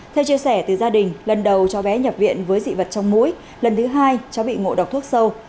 theo chia sẻ từ gia đình lần đầu cho bé nhập viện với dị vật trong mũi lần thứ hai cháu bị ngộ độc thuốc sâu